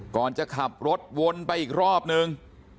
ก่อนจะขับรถวนไปอีกรอบนึง